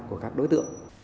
của các đối tượng